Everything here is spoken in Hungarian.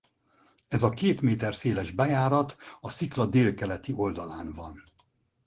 Ez a két méter széles bejárat a szikla délkeleti oldalán van.